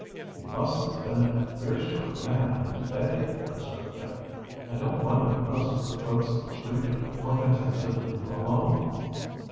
"He must have been a fierce sort of a man in his day," observed Dick. "I don't wonder the most of the folks in this region were content to leave him alone."